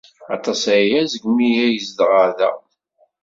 Aṭas aya seg wasmi ay zedɣeɣ da.